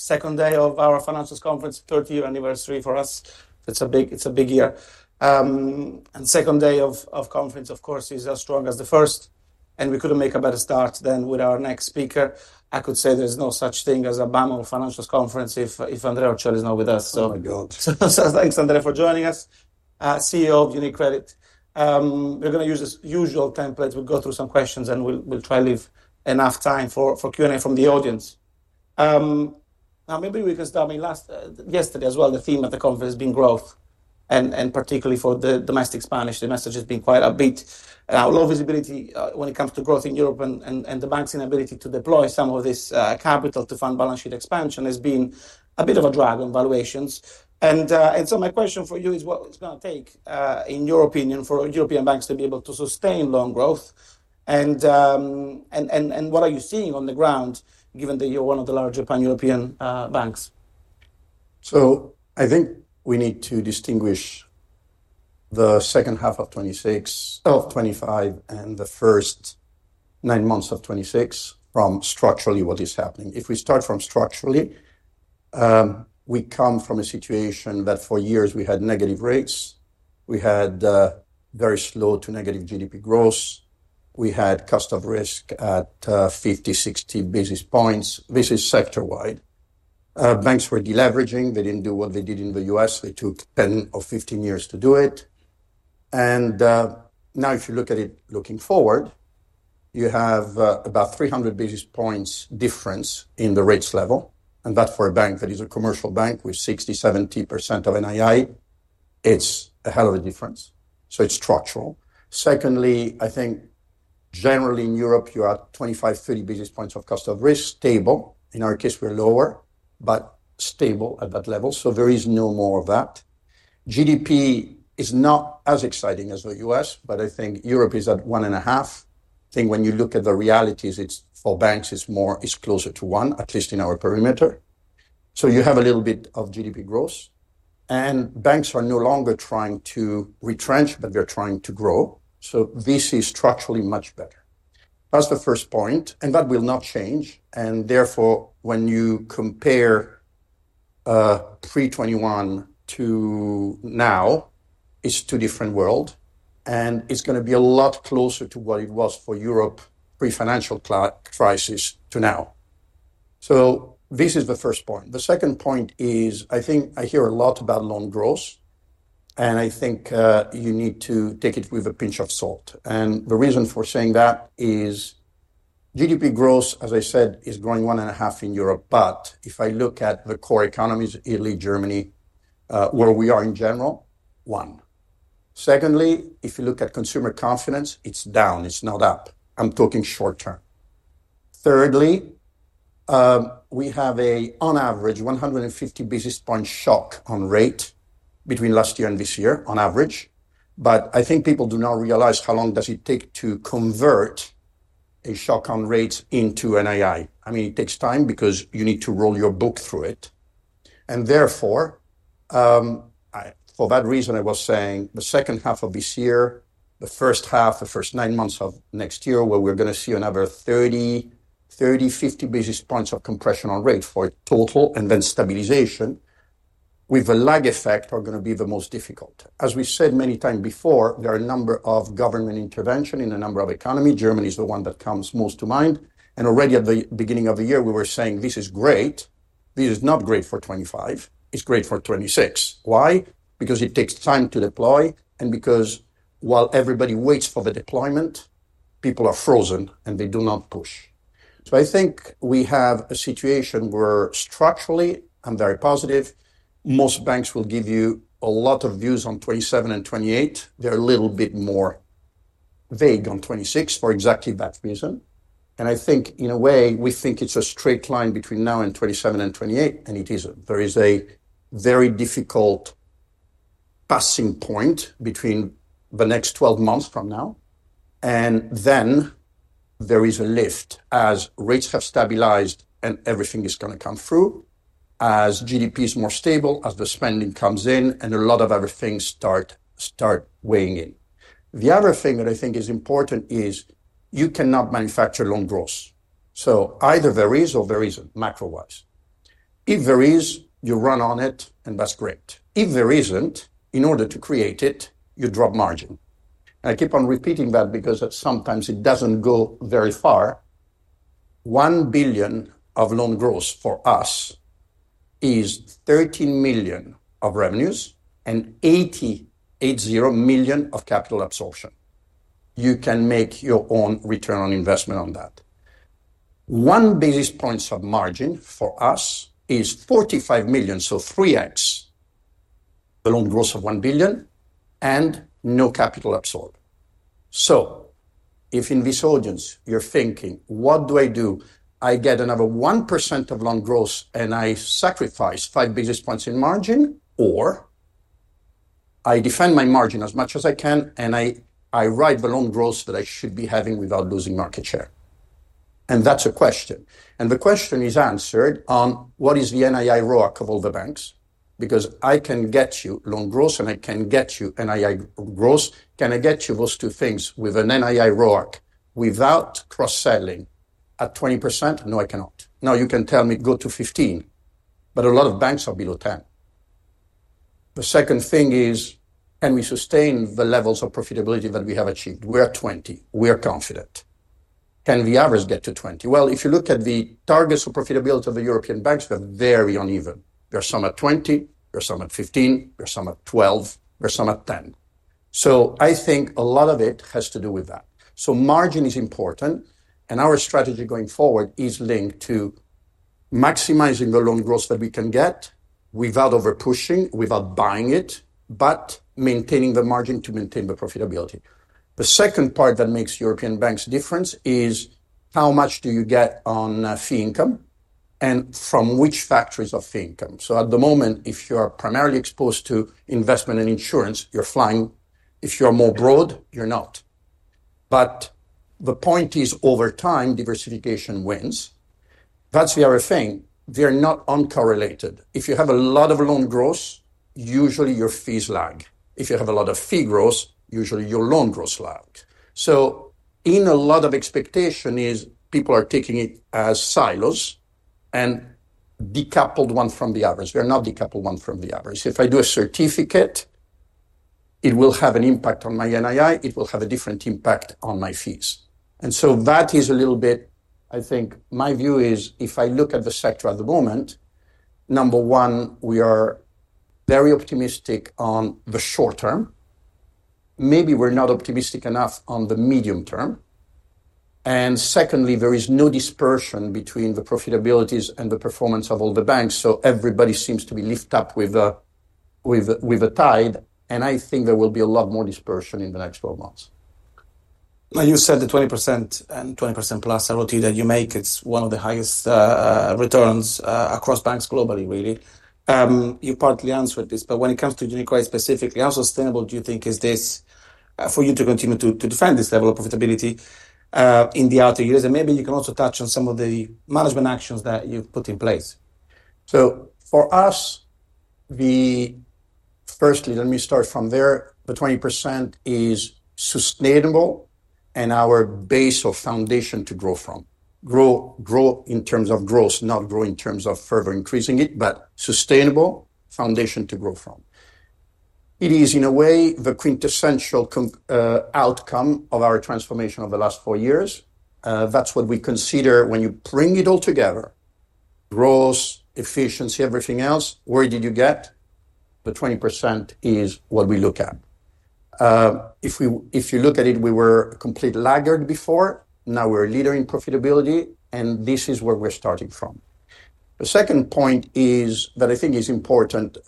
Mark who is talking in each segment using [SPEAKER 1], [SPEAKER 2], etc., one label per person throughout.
[SPEAKER 1] Second day of our financials conference, 30th anniversary for us. It's a big, it's a big year. The second day of conference, of course, is as strong as the first. We couldn't make a better start than with our next speaker. I could say there's no such thing as a Bama or financials conference if Andrea Orcel is not with us.
[SPEAKER 2] My God. Thanks, Andrea, for joining us. CEO of UniCredit. We're going to use the usual template. We'll go through some questions and try to leave enough time for Q&A from the audience. Maybe we can start. Yesterday as well, the theme at the conference has been growth. Particularly for the domestic Spanish, the message has been quite a bit. Low visibility when it comes to growth in Europe and the banks' inability to deploy some of this capital to fund balance sheet expansion has been a bit of a drag on valuations. My question for you is what it's going to take, in your opinion, for European banks to be able to sustain loan growth? What are you seeing on the ground given that you're one of the largest pan-European banks? I think we need to distinguish the second half of 2026, of 2025, and the first nine months of 2026 from structurally what is happening. If we start from structurally, we come from a situation that for years we had negative rates. We had very slow to negative GDP growth. We had cost of risk at 50 basis points, 60 basis points. This is sector-wide. Banks were deleveraging. They didn't do what they did in the U.S. It took 10 years or 15 years to do it. If you look at it looking forward, you have about 300 basis points difference in the rates level. For a bank that is a commercial bank with 60%, 70% of NII, it's a hell of a difference. It is structural. Generally in Europe, you are 25 basis points, 30 basis points of cost of risk, stable. In our case, we're lower, but stable at that level. There is no more of that. GDP is not as exciting as the U.S., but I think Europe is at 1.5%. When you look at the realities, for banks, it's closer to 1%, at least in our perimeter. You have a little bit of GDP growth. Banks are no longer trying to retrench, but they're trying to grow. This is structurally much better. That's the first point. That will not change. Therefore, when you compare pre-2021 to now, it's a different world. It's going to be a lot closer to what it was for Europe pre-financial crisis to now. This is the first point. The second point is I think I hear a lot about loan growth. I think you need to take it with a pinch of salt. The reason for saying that is GDP growth, as I said, is growing 1.5% in Europe. If I look at the core economies, Italy, Germany, where we are in general, 1%. If you look at consumer confidence, it's down. It's not up. I'm talking short term. We have on average 150 basis points shock on rate between last year and this year, on average. I think people do not realize how long it takes to convert a shock on rate into NII. It takes time because you need to roll your book through it. For that reason, I was saying the second half of this year, the first nine months of next year, where we're going to see another 30 basis points, 30 basis points, 50 basis points of compression on rate for total and then stabilization with the lag effect, are going to be the most difficult. As we said many times before, there are a number of government interventions in a number of economies. Germany is the one that comes most to mind. Already at the beginning of the year, we were saying this is great. This is not great for 2025. It's great for 2026. Why? Because it takes time to deploy. While everybody waits for the deployment, people are frozen and they do not push. I think we have a situation where structurally, I'm very positive. Most banks will give you a lot of views on 2027 and 2028. They're a little bit more vague on 2026 for exactly that reason. In a way, we think it's a straight line between now and 2027 and 2028. There is a very difficult passing point between the next 12 months from now. Then there is a lift as rates have stabilized and everything is going to come through, as GDP is more stable, as the spending comes in, and a lot of other things start weighing in. The other thing that I think is important is you cannot manufacture loan growth. Either there is or there isn't, macro-wise. If there is, you run on it and that's great. If there isn't, in order to create it, you drop margin. I keep on repeating that because at some times it doesn't go very far. 1 billion of loan growth for us is 13 million of revenues and 80 million of capital absorption. You can make your own return on investment on that. 1 basis point of margin for us is 45 million, so 3x the loan growth of 1 billion and no capital absorbed. If in this audience you're thinking, what do I do? I get another 1% of loan growth and I sacrifice five basis points in margin, or I defend my margin as much as I can and I write the loan growth that I should be having without losing market share. That's a question. The question is answered on what is the NII RoAC of all the banks. I can get you loan growth and I can get you NII growth. Can I get you those two things with an NII RoAC without cross-selling at 20%? No, I cannot. Now you can tell me go to 15%. A lot of banks are below 10%. The second thing is, can we sustain the levels of profitability that we have achieved? We're at 20%. We're confident. Can the average get to 20%? If you look at the targets of profitability of the European banks, they're very uneven. There are some at 20%, there are some at 15%, there are some at 12%, there are some at 10%. I think a lot of it has to do with that. Margin is important. Our strategy going forward is linked to maximizing the loan growth that we can get without overpushing, without buying it, but maintaining the margin to maintain the profitability. The second part that makes European banks different is how much you get on fee income and from which factors of fee income. At the moment, if you are primarily exposed to investment and insurance, you're flying. If you're more broad, you're not. The point is, over time, diversification wins. That's the other thing. They're not uncorrelated. If you have a lot of loan growth, usually your fees lag. If you have a lot of fee growth, usually your loan growth lags. In a lot of expectations, people are taking it as silos and decoupled one from the average. They're not decoupled one from the average. If I do a certificate, it will have an impact on my NII. It will have a different impact on my fees. That is a little bit, I think, my view is if I look at the sector at the moment, number one, we are very optimistic on the short term. Maybe we're not optimistic enough on the medium term. Secondly, there is no dispersion between the profitabilities and the performance of all the banks. Everybody seems to be lifted up with a tide. I think there will be a lot more dispersion in the next 12 months. Now, you said the 20% and 20%+ royalty that you make, it's one of the highest returns across banks globally, really. You partly answered this, but when it comes to [UniCredit] specifically, how sustainable do you think is this for you to continue to defend this level of profitability in the outer years? Maybe you can also touch on some of the management actions that you put in place. For us, firstly, let me start from there. The 20% is sustainable and our base or foundation to grow from. Grow in terms of growth, not grow in terms of further increasing it, but sustainable foundation to grow from. It is, in a way, the quintessential outcome of our transformation of the last four years. That's what we consider when you bring it all together. Growth, efficiency, everything else. Where did you get? The 20% is what we look at. If you look at it, we were a complete laggard before. Now we're a leader in profitability. This is where we're starting from. The second point is that I think is important.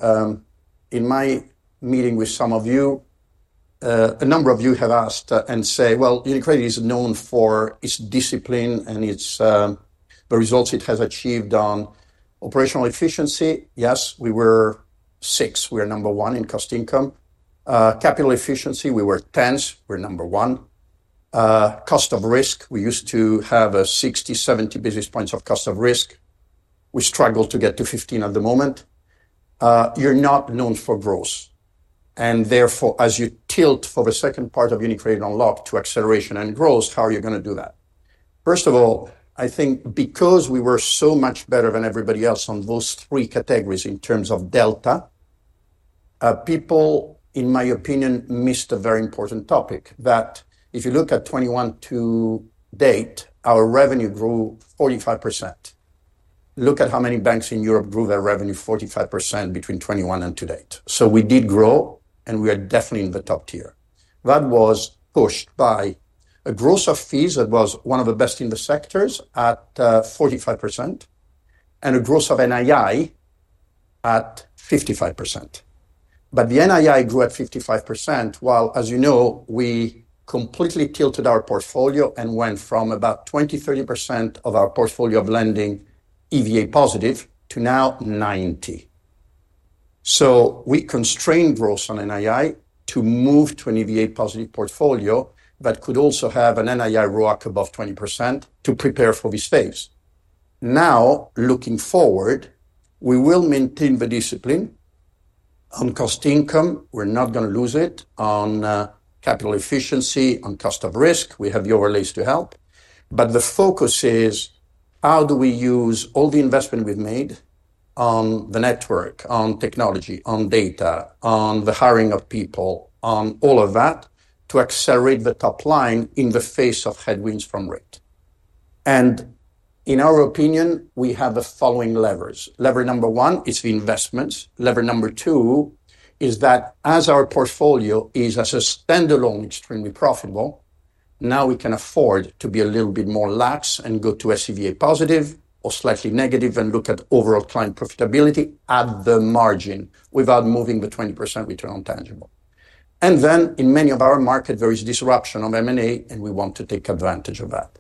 [SPEAKER 2] In my meeting with some of you, a number of you have asked and said, UniCredit is known for its discipline and the results it has achieved on operational efficiency. Yes, we were six. We're number one in cost-income. Capital efficiency, we were tens. We're number one. Cost of risk, we used to have 60, 70 basis points of cost of risk. We struggle to get to 15 at the moment. You're not known for growth. Therefore, as you tilt for the second part of UniCredit Unlocked to acceleration and growth, how are you going to do that? First of all, I think because we were so much better than everybody else on those three categories in terms of delta, people, in my opinion, missed a very important topic. If you look at 2021 to date, our revenue grew 45%. Look at how many banks in Europe grew their revenue 45% between 2021 and 2028. We did grow and we are definitely in the top tier. That was pushed by a growth of fees that was one of the best in the sectors at 45% and a growth of NII at 55%. The NII grew at 55% while, as you know, we completely tilted our portfolio and went from about 20%, 30% of our portfolio of lending EVA positive to now 90%. We constrained growth on NII to move to an EVA positive portfolio that could also have an NII RoAC above 20% to prepare for this phase. Now, looking forward, we will maintain the discipline on cost-income. We're not going to lose it on capital efficiency, on cost of risk. We have your release to help. The focus is how do we use all the investment we've made on the network, on technology, on data, on the hiring of people, on all of that to accelerate the top line in the face of headwinds from rate? In our opinion, we have the following levers. Lever number one is the investments. Lever number two is that as our portfolio is as a standalone, extremely profitable, now we can afford to be a little bit more lax and go to EVA positive or slightly negative and look at overall client profitability at the margin without moving the 20% return on tangible. In many of our markets, there is disruption of M&A and we want to take advantage of that.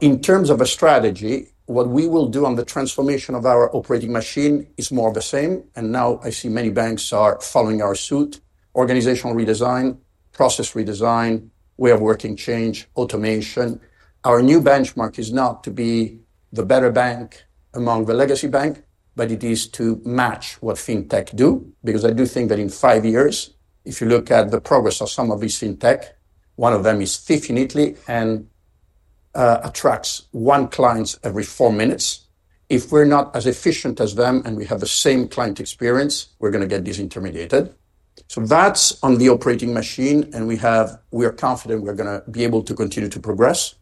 [SPEAKER 2] In terms of a strategy, what we will do on the transformation of our operating machine is more of the same. I see many banks are following our suit, organizational redesign, process redesign, way of working change, automation. Our new benchmark is not to be the better bank among the legacy bank, but it is to match what fintech do because I do think that in five years, if you look at the progress of some of these fintech, one of them is TIFF in Italy and attracts one client every four minutes. If we're not as efficient as them and we have the same client experience, we're going to get disintermediated. That's on the operating machine and we are confident we're going to be able to continue to progress.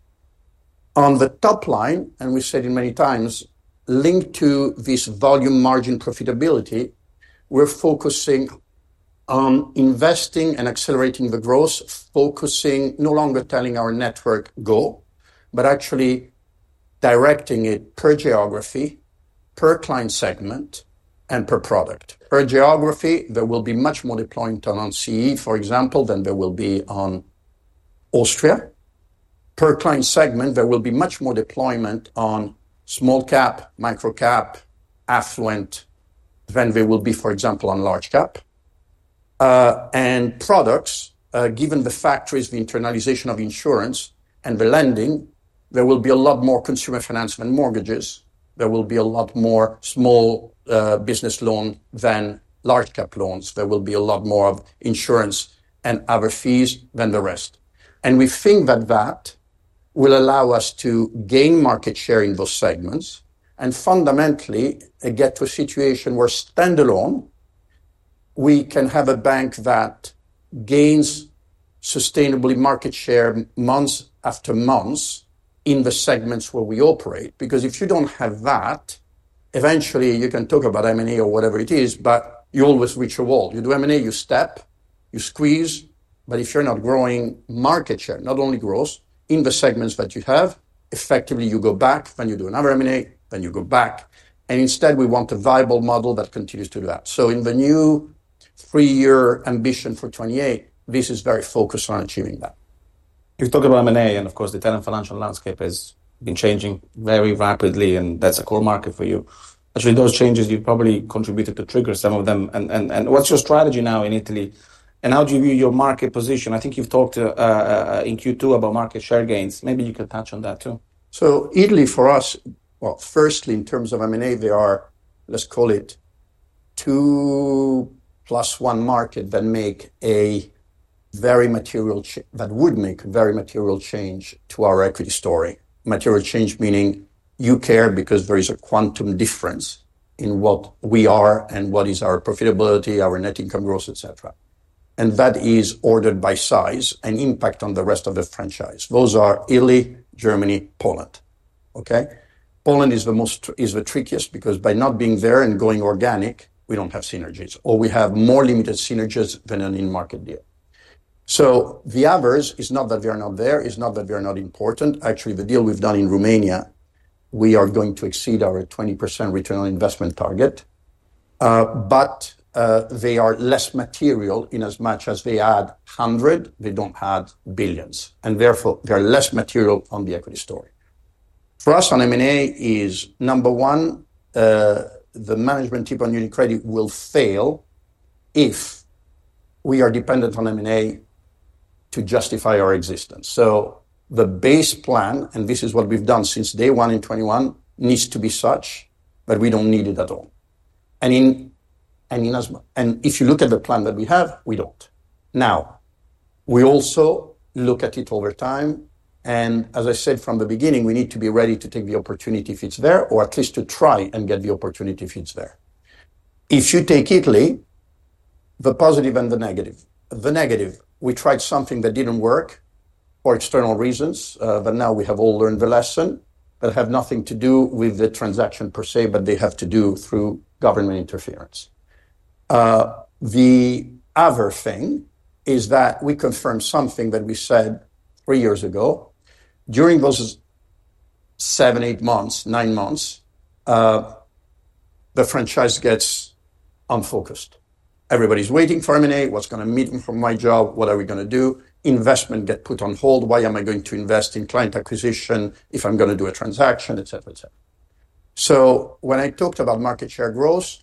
[SPEAKER 2] On the top line, and we said it many times, linked to this volume margin profitability, we're focusing on investing and accelerating the growth, focusing no longer telling our network go, but actually directing it per geography, per client segment, and per product. Per geography, there will be much more deployment on CE, for example, than there will be on Austria. Per client segment, there will be much more deployment on small cap, micro cap, affluent, than there will be, for example, on large cap. Products, given the factories, the internalization of insurance, and the lending, there will be a lot more consumer financement mortgages. There will be a lot more small business loans than large cap loans. There will be a lot more insurance and other fees than the rest. We think that that will allow us to gain market share in those segments and fundamentally get to a situation where standalone, we can have a bank that gains sustainably market share month after month in the segments where we operate. If you don't have that, eventually you can talk about M&A or whatever it is, but you always reach a wall. You do M&A, you step, you squeeze. If you're not growing market share, not only growth in the segments that you have, effectively you go back, then you do another M&A, then you go back. We want a viable model that continues to do that. In the new three-year ambition for 2028, this is very focused on achieving that. You've talked about M&A, and of course, the talent financial landscape has been changing very rapidly, and that's a core market for you. Actually, those changes you've probably contributed to trigger some of them. What's your strategy now in Italy? How do you view your market position? I think you've talked in Q2 about market share gains. Maybe you can touch on that too. Italy for us, firstly in terms of M&A, there are, let's call it, two plus one markets that make a very material, that would make a very material change to our equity story. Material change meaning you care because there is a quantum difference in what we are and what is our profitability, our net income growth, etc. That is ordered by size and impact on the rest of the franchise. Those are Italy, Germany, Poland. Poland is the most, is the trickiest because by not being there and going organic, we don't have synergies or we have more limited synergies than an in-market deal. The others, it's not that they're not there, it's not that they're not important. Actually, the deal we've done in Romania, we are going to exceed our 20% return on investment target. They are less material in as much as they add hundreds, they don't add billions. Therefore, they're less material on the equity story. For us, on M&A, number one, the management team on UniCredit will fail if we are dependent on M&A to justify our existence. The base plan, and this is what we've done since day one in 2021, needs to be such that we don't need it at all. If you look at the plan that we have, we don't. We also look at it over time. As I said from the beginning, we need to be ready to take the opportunity if it's there, or at least to try and get the opportunity if it's there. If you take Italy, the positive and the negative. The negative, we tried something that didn't work for external reasons, but now we have all learned the lesson that have nothing to do with the transaction per se, but they have to do through government interference. The other thing is that we confirmed something that we said three years ago. During those seven, eight months, nine months, the franchise gets unfocused. Everybody's waiting for M&A. What's going to meet me from my job? What are we going to do? Investment gets put on hold. Why am I going to invest in client acquisition if I'm going to do a transaction, etc., etc.? When I talked about market share growth,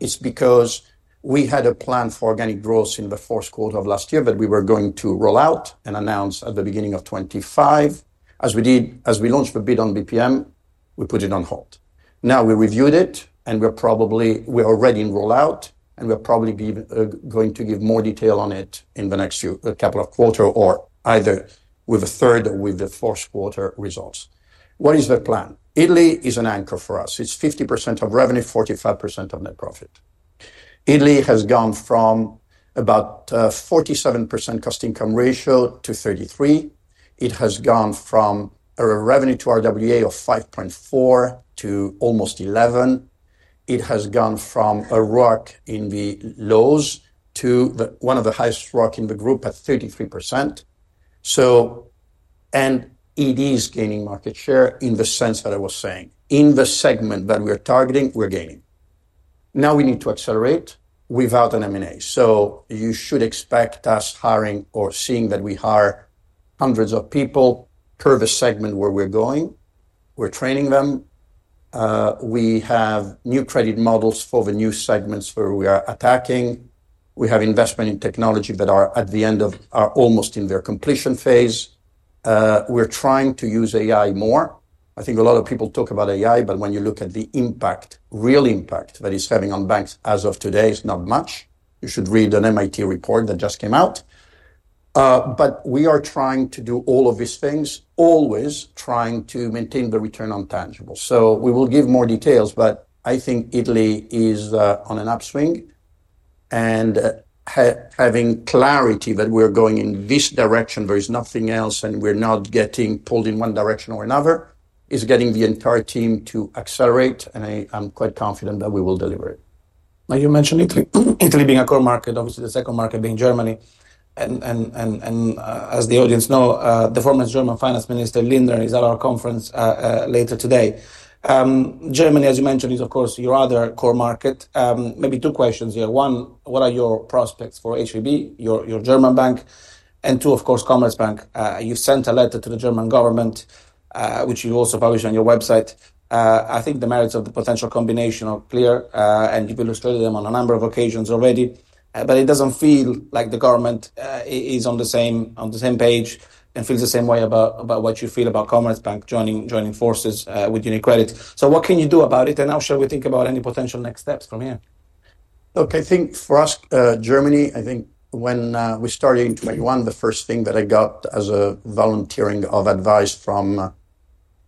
[SPEAKER 2] it's because we had a plan for organic growth in the first quarter of last year that we were going to roll out and announce at the beginning of 2025. As we did, as we launched the bid on BPM, we put it on hold. Now we reviewed it and we're probably, we're already in rollout and we're probably going to give more detail on it in the next year, a couple of quarters, or either with a third or with the first quarter results. What is the plan? Italy is an anchor for us. It's 50% of revenue, 45% of net profit. Italy has gone from about 47% cost-income ratio to 33%. It has gone from a revenue to RWA of 5.4% to almost 11%. It has gone from a RoAC in the lows to one of the highest RoAC in the group at 33%. In the segment that we are targeting, we're gaining. Now we need to accelerate without an M&A. You should expect us hiring or seeing that we hire hundreds of people per the segment where we're going. We're training them. We have new credit models for the new segments where we are attacking. We have investment in technology that are at the end of, are almost in their completion phase. We're trying to use AI more. I think a lot of people talk about AI, but when you look at the impact, real impact that it's having on banks as of today, it's not much. You should read an MIT report that just came out. We are trying to do all of these things, always trying to maintain the return on tangible. We will give more details, but I think Italy is on an upswing. Having clarity that we're going in this direction, there is nothing else and we're not getting pulled in one direction or another, is getting the entire team to accelerate. I'm quite confident that we will deliver it. Now you mentioned Italy being a core market, obviously the second market being Germany. As the audience knows, the former German Finance Minister, Lindner, is at our conference later today. Germany, as you mentioned, is of course your other core market. Maybe two questions here. One, what are your prospects for HVB, your German bank? Two, of course, Commerzbank. You sent a letter to the German government, which you also published on your website. I think the merits of the potential combination are clear, and you've illustrated them on a number of occasions already. It doesn't feel like the government is on the same page and feels the same way about what you feel about Commerzbank joining forces with UniCredit. What can you do about it? How shall we think about any potential next steps from here? Okay, I think for us, Germany, I think when we started in 2021, the first thing that I got as a volunteering of advice from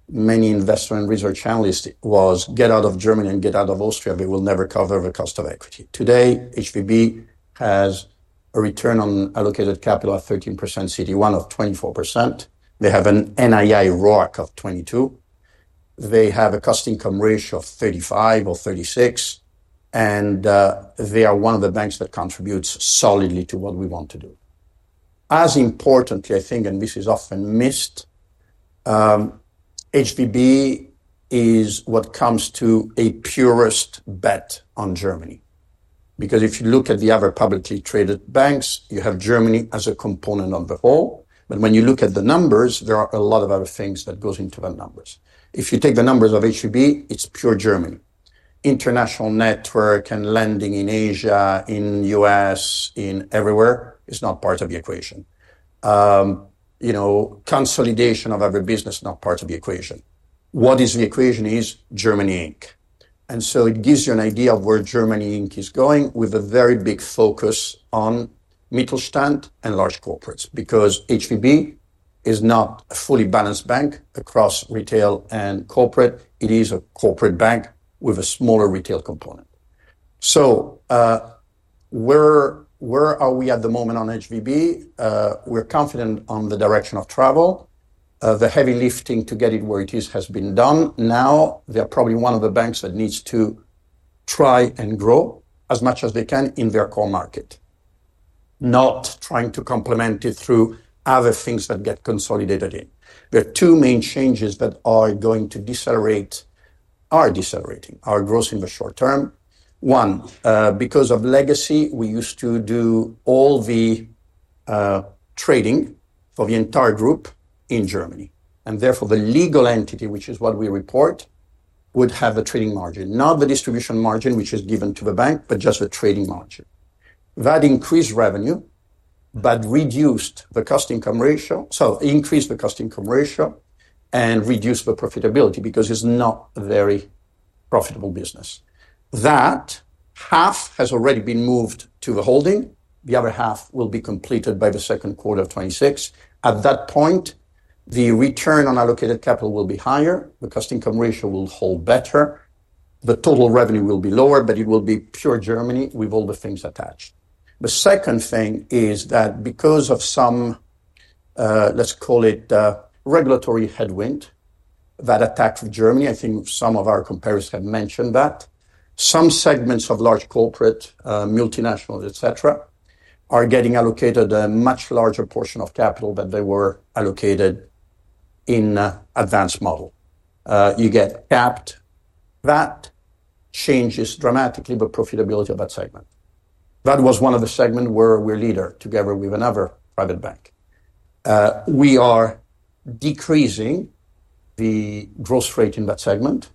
[SPEAKER 2] many investors and research analysts was get out of Germany and get out of Austria. They will never cover the cost of equity. Today, HVB has a return on allocated capital at 13%, CET1 of 24%. They have an NII RoAC of 22%. They have a cost-income ratio of 35% or 36%. They are one of the banks that contributes solidly to what we want to do. As importantly, I think, and this is often missed, HVB is what comes to a purist bet on Germany. If you look at the other publicly traded banks, you have Germany as a component of the whole, but when you look at the numbers, there are a lot of other things that go into the numbers. If you take the numbers of HVB, it's pure Germany. International network and lending in Asia, in the U.S., in everywhere, it's not part of the equation. Consolidation of every business is not part of the equation. What is the equation is Germany Inc. It gives you an idea of where Germany Inc. is going with a very big focus on Mittelstand and large corporates. HVB is not a fully balanced bank across retail and corporate. It is a corporate bank with a smaller retail component. Where are we at the moment on HVB? We're confident on the direction of travel. The heavy lifting to get it where it is has been done. Now, they're probably one of the banks that needs to try and grow as much as they can in their core market, not trying to complement it through other things that get consolidated in. There are two main changes that are going to decelerate our growth in the short term. One, because of legacy, we used to do all the trading for the entire group in Germany, and therefore, the legal entity, which is what we report, would have a trading margin, not the distribution margin, which is given to the bank, but just the trading margin. That increased revenue, but increased the cost-income ratio and reduced the profitability because it's not a very profitable business. That half has already been moved to the holding. The other half will be completed by the second quarter of 2026. At that point, the return on allocated capital will be higher. The cost-income ratio will hold better. The total revenue will be lower, but it will be pure Germany with all the things attached. The second thing is that because of some, let's call it, regulatory headwind that attacked Germany, I think some of our comparisons have mentioned that some segments of large corporates, multinationals, et cetera, are getting allocated a much larger portion of capital than they were allocated in the advanced model. You get capped. That changes dramatically the profitability of that segment. That was one of the segments where we're a leader together with another private bank. We are decreasing the growth rate in that segment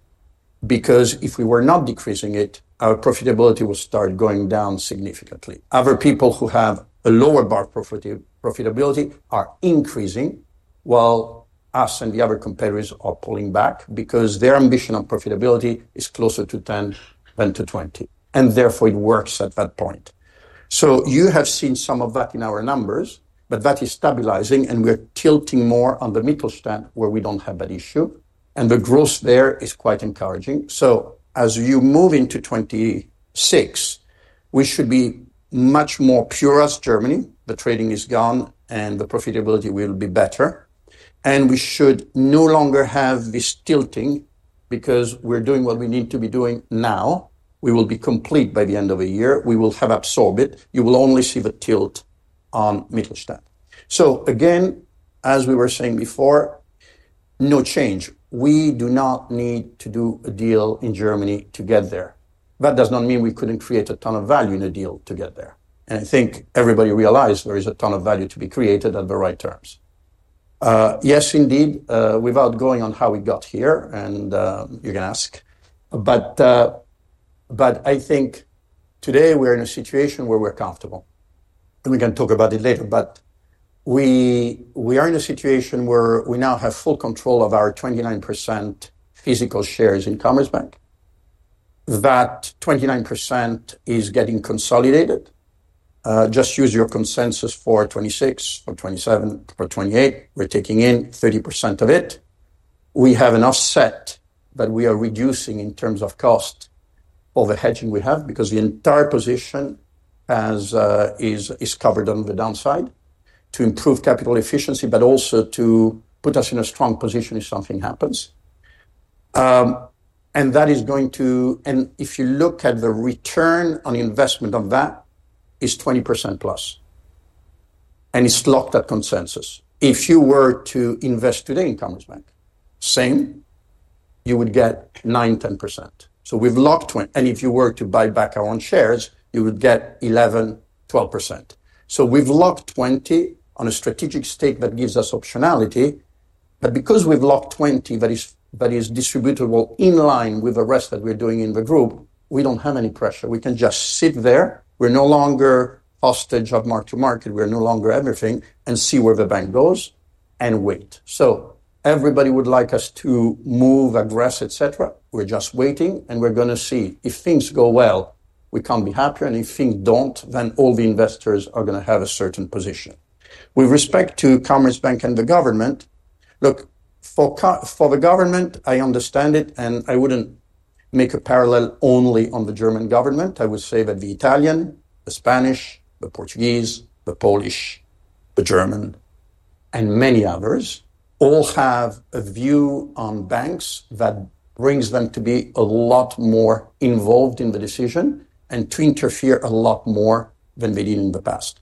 [SPEAKER 2] because if we were not decreasing it, our profitability would start going down significantly. Other people who have a lower profitability are increasing while us and the other competitors are pulling back because their ambition on profitability is closer to 10% than to 20%. Therefore, it works at that point. You have seen some of that in our numbers, but that is stabilizing and we're tilting more on the Mittelstand where we don't have that issue. The growth there is quite encouraging. As you move into 2026, we should be much more pure as Germany. The trading is gone and the profitability will be better. We should no longer have this tilting because we're doing what we need to be doing now. We will be complete by the end of the year. We will have absorbed it. You will only see the tilt on Mittelstand. Again, as we were saying before, no change. We do not need to do a deal in Germany to get there. That does not mean we couldn't create a ton of value in a deal to get there. I think everybody realizes there is a ton of value to be created at the right terms. Yes, indeed, without going on how we got here, and you can ask. I think today we're in a situation where we're comfortable. We can talk about it later, but we are in a situation where we now have full control of our 29% physical shares in Commerzbank. That 29% is getting consolidated. Just use your consensus for 2026, for 2027, for 2028. We're taking in 30% of it. We have enough set that we are reducing in terms of cost of the hedging we have because the entire position is covered on the downside to improve capital efficiency, but also to put us in a strong position if something happens. That is going to, and if you look at the return on investment of that, it's 20%+. It's locked at consensus. If you were to invest today in Commerzbank, same, you would get 9%, 10%. We've locked 20, and if you were to buy back our own shares, you would get 11%, 12%. We've locked 20% on a strategic stake that gives us optionality. Because we've locked 20% that is distributed in line with the rest that we're doing in the group, we don't have any pressure. We can just sit there. We're no longer hostage to mark-to-market. We're no longer everything and see where the bank goes and wait. Everybody would like us to move, aggress, et cetera. We're just waiting and we're going to see if things go well, we can't be happier. If things don't, then all the investors are going to have a certain position. With respect to Commerzbank and the government, look, for the government, I understand it and I wouldn't make a parallel only on the German government. I would say that the Italian, the Spanish, the Portuguese, the Polish, the German, and many others all have a view on banks that brings them to be a lot more involved in the decision and to interfere a lot more than they did in the past.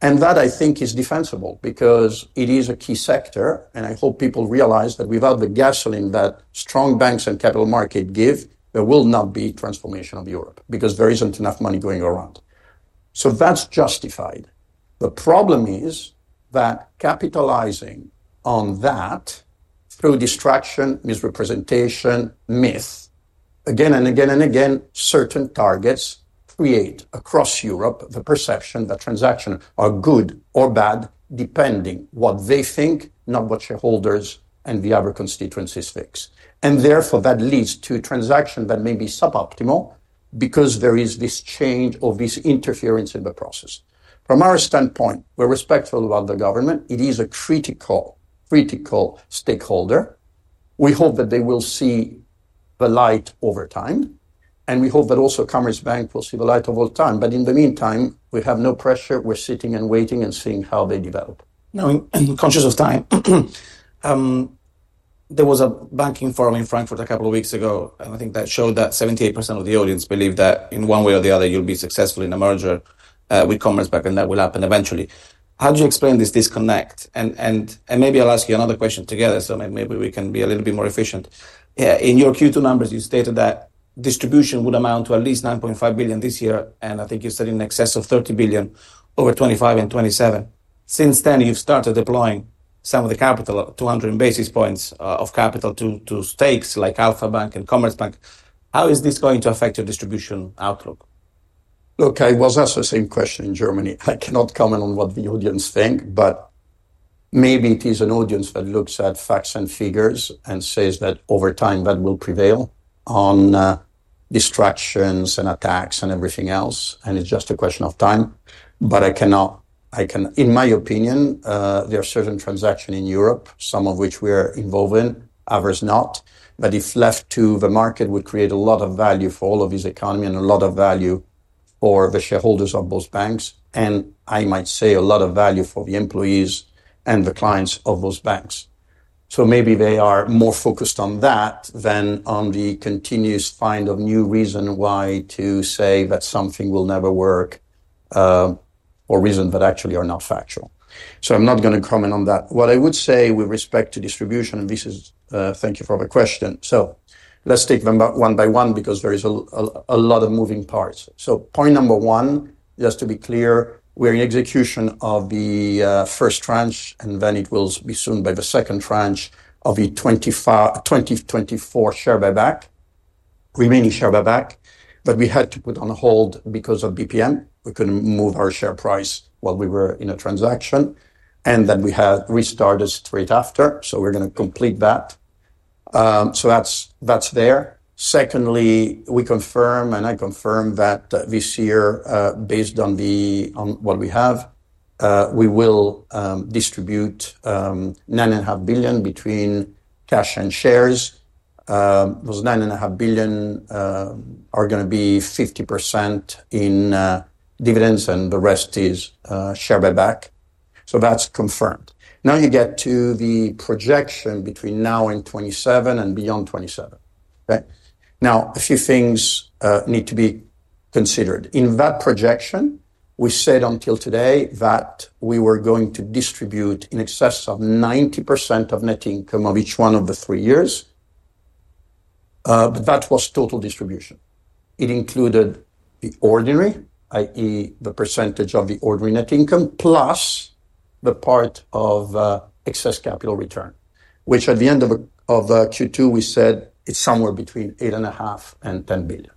[SPEAKER 2] That, I think, is defensible because it is a key sector. I hope people realize that without the gasoline that strong banks and capital markets give, there will not be transformation of Europe because there isn't enough money going around. That's justified. The problem is that capitalizing on that through distraction, misrepresentation, myth, again and again and again, certain targets create across Europe the perception that transactions are good or bad, depending on what they think, not what shareholders and the other constituencies think. Therefore, that leads to transactions that may be suboptimal because there is this change or this interference in the process. From our standpoint, we're respectful of the government. It is a critical, critical stakeholder. We hope that they will see the light over time. We hope that also Commerzbank will see the light over time. In the meantime, we have no pressure. We're sitting and waiting and seeing how they develop. Conscious of time, there was a banking forum in Frankfurt a couple of weeks ago. I think that showed that 78% of the audience believed that in one way or the other, you'll be successful in a merger with Commerzbank and that will happen eventually. How do you explain this disconnect? Maybe I'll ask you another question together, so we can be a little bit more efficient. In your Q2 numbers, you stated that distribution would amount to at leastEUR 9.5 billion this year. I think you said in exess of EUR 3E0 billion over 2025 and 2027. Since then, you've started deploying some of the capital, 200 basis points of capital to stakes like Alpha Bank and Commerzbank. How is this going to affect your distribution outlook? Okay, that's the same question in Germany. I cannot comment on what the audience thinks, but maybe it is an audience that looks at facts and figures and says that over time that will prevail on distractions and attacks and everything else. It's just a question of time. I can, in my opinion, there are certain transactions in Europe, some of which we are involved in, others not. If left to the market, we create a lot of value for all of this economy and a lot of value for the shareholders of those banks. I might say a lot of value for the employees and the clients of those banks. Maybe they are more focused on that than on the continuous find of new reasons why to say that something will never work or reasons that actually are not factual. I'm not going to comment on that. What I would say with respect to distribution, and this is, thank you for the question. Let's take them one by one because there is a lot of moving parts. Point number one, just to be clear, we're in execution of the first tranche, and then it will be soon by the second tranche of the 2024 share buyback, remaining share buyback. We had to put on hold because of BPM. We couldn't move our share price while we were in a transaction. We had restarted straight after. We're going to complete that. That's there. Secondly, we confirm, and I confirm that this year, based on what we have, we will distribute 9.5 billion between cash and shares. Those 9.5 billion are going to be 50% in dividends, and the rest is share buyback. That's confirmed. Now you get to the projection between now and 2027 and beyond 2027. A few things need to be considered. In that projection, we said until today that we were going to distribute in excess of 90% of net income of each one of the three years. That was total distribution. It included the ordinary, i.e., the percentage of the ordinary net income plus the part of excess capital return, which at the end of Q2, we said it's somewhere between 8.5 billion and 10 billion.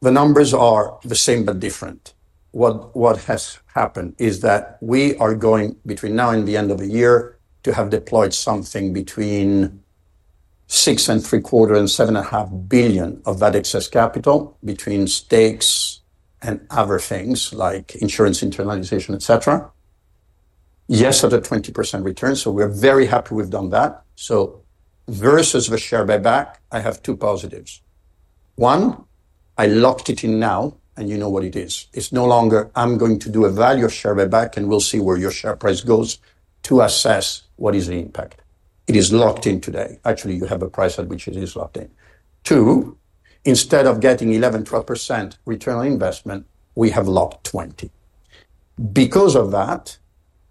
[SPEAKER 2] The numbers are the same, but different. What has happened is that we are going between now and the end of the year to have deployed something between 6.75 billion and 7.5 billion of that excess capital between stakes and other things like insurance internalization, et cetera, at a 20% return. We are very happy we've done that. Versus the share buyback, I have two positives. One, I locked it in now, and you know what it is. It's no longer, I'm going to do a value of share buyback and we'll see where your share price goes to assess what is the impact. It is locked in today. Actually, you have a price at which it is locked in. Two, instead of getting 11%, 12% return on investment, we have locked 20%. Because of that,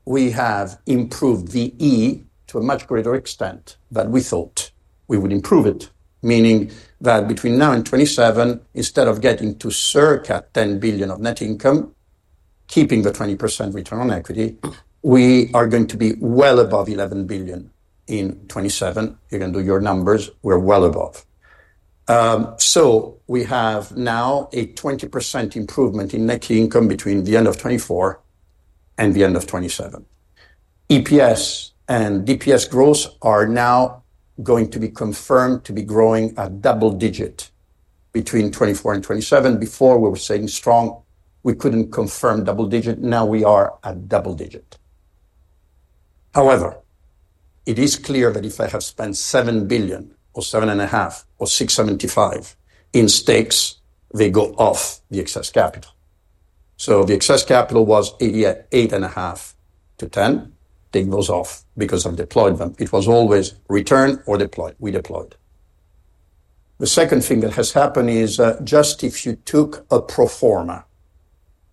[SPEAKER 2] we have improved VE to a much greater extent than we thought we would improve it. Meaning that between now and 2027, instead of getting to circa 10 billion of net income, keeping the 20% return on equity, we are going to be well aboveEUR 11 billion in 2027. You can do your numbers. We're well above. We have now a 20% improvement in net income between the end of 2024 and the end of 2027. EPS and DPS growth are now going to be confirmed to be growing at double digits between 2024 and 2027. Before, we were saying strong, we couldn't confirm double digits. Now we are at double digits. However, it is clear that if I have spent 7 billion or 7.5 billion or 6.75 billion in stakes, they go off the excess capital. The excess capital was 8.5 billion to 10 billion. They go off because I've deployed them. It was always return or deploy. We deploy. The second thing that has happened is just if you took a pro forma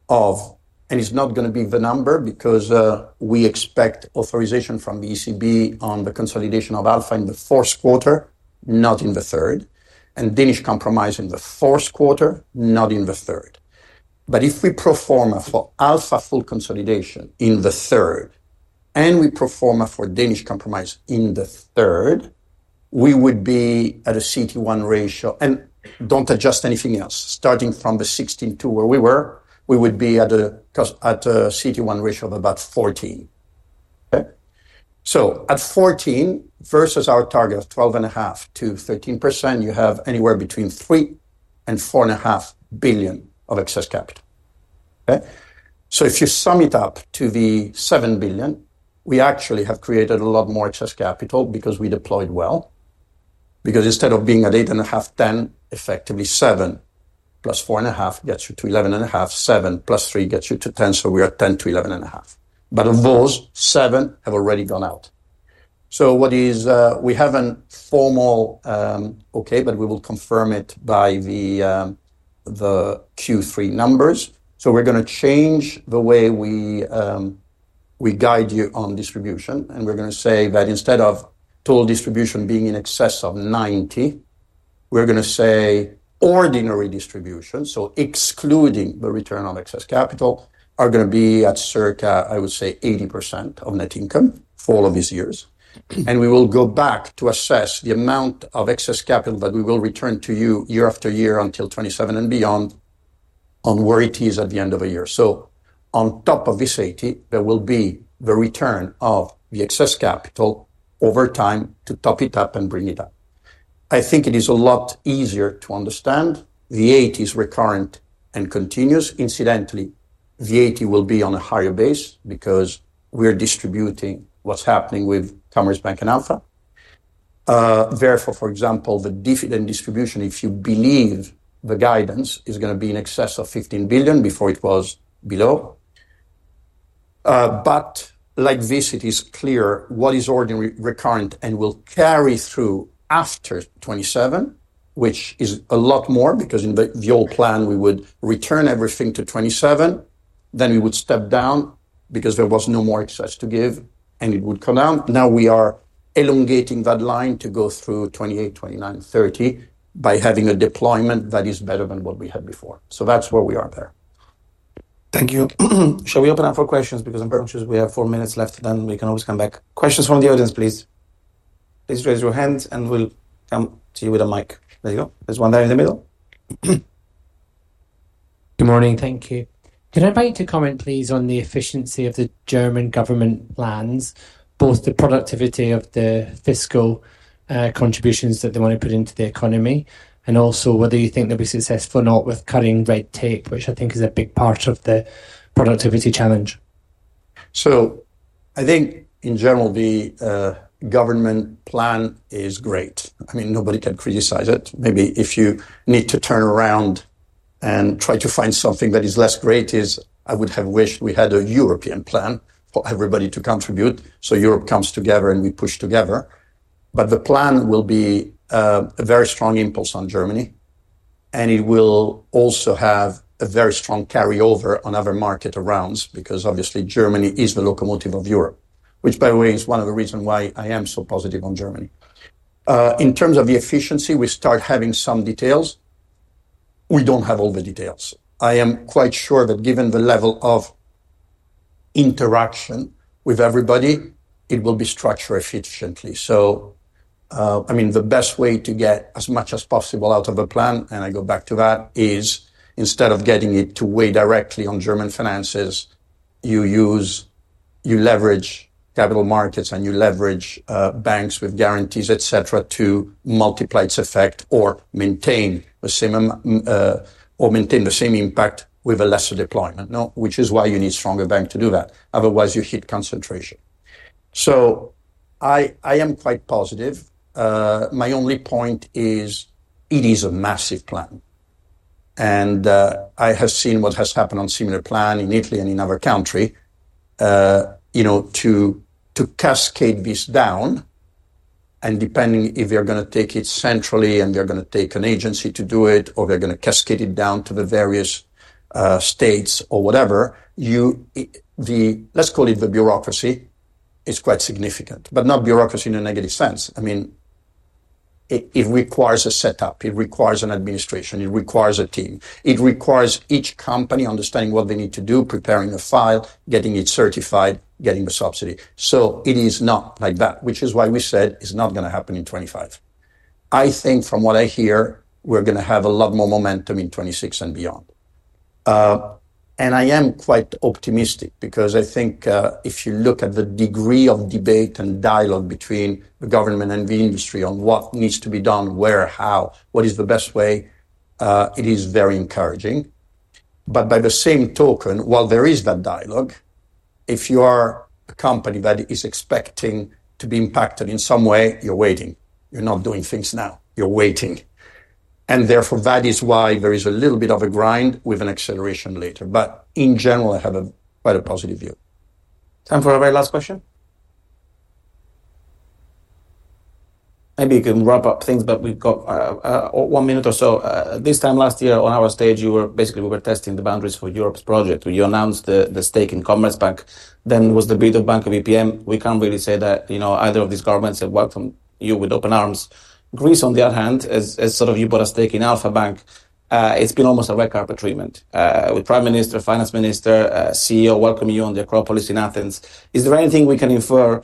[SPEAKER 2] of, and it's not going to be the number because we expect authorization from the ECB on the consolidation of Alpha in the first quarter, not in the third, and Danish compromise in the first quarter, not in the third. If we perform for Alpha full consolidation in the third and we perform for Danish compromise in the third, we would be at a CET1 ratio. Don't adjust anything else. Starting from the 16.2 where we were, we would be at a CET1 ratio of about 14%. At 14% versus our target of 12.5%-13%, you have anywhere between 3 billion and 4.5 billion of excess capital. If you sum it up to the 7 billion, we actually have created a lot more excess capital because we deployed well. Instead of being at 8.5 billion to 10 billion, effectively 7 billion + EUR 4.5 billion gets you to 11.5 billion, 7 billion + 3 billion gets you to 10 billion. We are 10 billion to 11.5 billion. Of those, 7 billion have already gone out. We haven't formal, okay, but we will confirm it by the Q3 numbers. We're going to change the way we guide you on distribution. We're going to say that instead of total distribution being in excess of 90%, we're going to say ordinary distribution, so excluding the return on excess capital, are going to be at circa, I would say, 80% of net income for all of these years. We will go back to assess the amount of excess capital that we will return to you year after year until 2027 and beyond on where it is at the end of a year. On top of this 80%, there will be the return of the excess capital over time to top it up and bring it up. I think it is a lot easier to understand. The 80% is recurrent and continuous. Incidentally, the 80% will be on a higher base because we're distributing what's happening with Commerzbank and Alpha Bank. Therefore, for example, the dividend distribution, if you believe the guidance, is going to be in excess of 15 billion before it was below. Like this, it is clear what is ordinary recurrent and will carry through after 2027, which is a lot more because in the old plan, we would return everything to 2027. We would step down because there was no more excess to give and it would come down. Now we are elongating that line to go through 2028, 2029, 2030 by having a deployment that is better than what we had before. That's where we are there. Thank you. Shall we open up for questions? I'm conscious we have four minutes left, and we can always come back. Questions from the audience, please. Please raise your hands and we'll come to you with a mic. There you go. There's one there in the middle. Good morning. Thank you. Could I make a comment, please, on the efficiency of the German government plans, both the productivity of the fiscal contributions that they want to put into the economy, and also whether you think they'll be successful or not with cutting red tape, which I think is a big part of the productivity challenge. I think in general, the government plan is great. I mean, nobody can criticize it. Maybe if you need to turn around and try to find something that is less great, I would have wished we had a European plan for everybody to contribute. Europe comes together and we push together. The plan will be a very strong impulse on Germany. It will also have a very strong carryover on other markets around because obviously Germany is the locomotive of Europe, which by the way is one of the reasons why I am so positive on Germany. In terms of the efficiency, we start having some details. We don't have all the details. I am quite sure that given the level of interaction with everybody, it will be structured efficiently. The best way to get as much as possible out of a plan, and I go back to that, is instead of getting it to weigh directly on German finances, you leverage capital markets and you leverage banks with guarantees, et cetera, to multiply its effect or maintain the same impact with a lesser deployment, which is why you need a stronger bank to do that. Otherwise, you hit concentration. I am quite positive. My only point is it is a massive plan. I have seen what has happened on a similar plan in Italy and in another country, you know, to cascade this down. Depending if you're going to take it centrally and you're going to take an agency to do it, or they're going to cascade it down to the various states or whatever, let's call it the bureaucracy, is quite significant. Not bureaucracy in a negative sense. I mean, it requires a setup. It requires an administration. It requires a team. It requires each company understanding what they need to do, preparing a file, getting it certified, getting the subsidy. It is not like that, which is why we said it's not going to happen in 2025. I think from what I hear, we're going to have a lot more momentum in 2026 and beyond. I am quite optimistic because I think if you look at the degree of debate and dialogue between the government and the industry on what needs to be done, where, how, what is the best way, it is very encouraging. By the same token, while there is that dialogue, if you are a company that is expecting to be impacted in some way, you're waiting. You're not doing things now. You're waiting. Therefore, that is why there is a little bit of a grind with an acceleration later. In general, I have quite a positive view. Time for our very last question. Maybe you can wrap up things, but we've got one minute or so. This time last year on our stage, you were basically, we were testing the boundaries for Europe's project. You announced the stake in Commerzbank. Then was the bid of Banco BPM. We can't really say that either of these governments have worked on you with open arms. Greece, on the other hand, as sort of you bought a stake in Alpha Bank, it's been almost a red carpet treatment with Prime Minister, Finance Minister, CEO. Welcome you on the Acropolis in Athens. Is there anything we can infer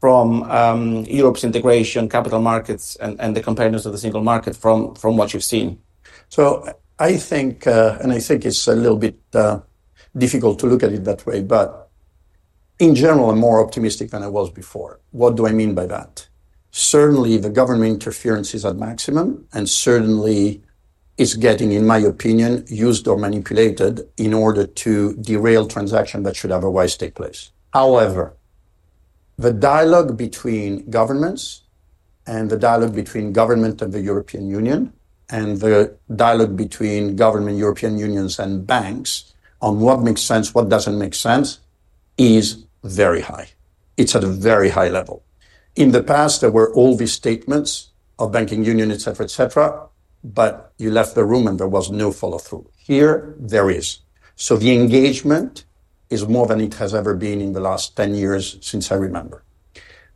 [SPEAKER 2] from Europe's integration, capital markets, and the competitors of the single market from what you've seen? I think it's a little bit difficult to look at it that way, but in general, I'm more optimistic than I was before. What do I mean by that? Certainly, the government interference is at maximum and certainly is getting, in my opinion, used or manipulated in order to derail transactions that should otherwise take place. However, the dialogue between governments and the dialogue between governments of the European Union and the dialogue between government European unions and banks on what makes sense, what doesn't make sense is very high. It's at a very high level. In the past, there were all these statements of banking unions, et cetera, et cetera, but you left the room and there was no follow-through. Here, there is. The engagement is more than it has ever been in the last 10 years since I remember.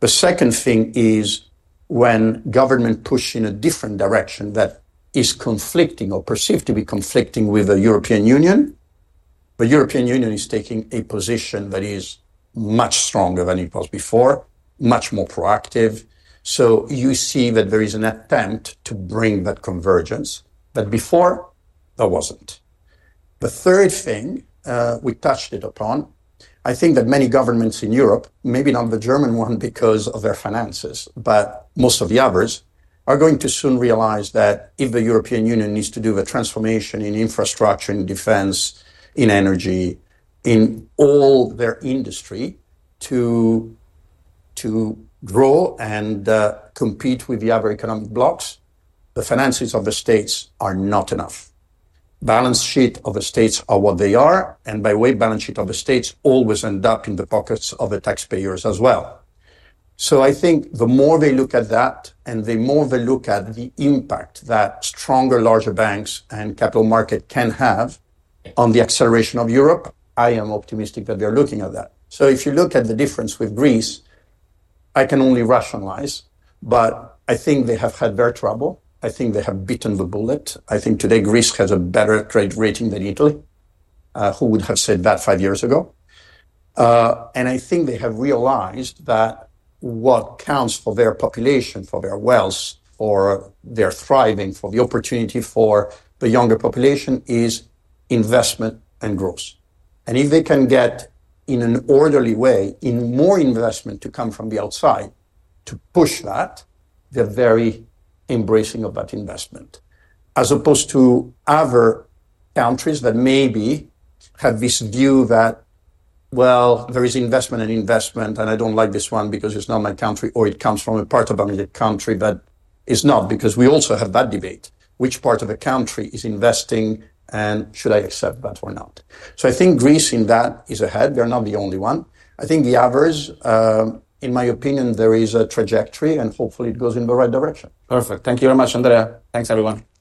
[SPEAKER 2] The second thing is when government pushes in a different direction that is conflicting or perceived to be conflicting with the European Union, the European Union is taking a position that is much stronger than it was before, much more proactive. You see that there is an attempt to bring that convergence that before, there wasn't. The third thing we touched upon, I think that many governments in Europe, maybe not the German one because of their finances, but most of the others are going to soon realize that if the European Union needs to do a transformation in infrastructure, in defense, in energy, in all their industry to grow and compete with the other economic blocs, the finances of the states are not enough. The balance sheets of the states are what they are, and by the way, the balance sheets of the states always end up in the pockets of the taxpayers as well. The more they look at that and the more they look at the impact that stronger, larger banks and capital markets can have on the acceleration of Europe, I am optimistic that they're looking at that. If you look at the difference with Greece, I can only rationalize, but I think they have had their trouble. I think they have bitten the bullet. I think today Greece has a better trade rating than Italy. Who would have said that five years ago? I think they have realized that what counts for their population, for their wealth, for their thriving, for the opportunity for the younger population is investment and growth. If they can get in an orderly way more investment to come from the outside to push that, they're very embracing of that investment. As opposed to other countries that maybe have this view that there is investment and investment, and I don't like this one because it's not my country or it comes from a part of a country that is not because we also have that debate. Which part of a country is investing and should I accept that or not? I think Greece in that is ahead. They're not the only one. I think the others, in my opinion, there is a trajectory and hopefully it goes in the right direction. Perfect. Thank you very much, Andrea. Thanks, everyone. Thanks.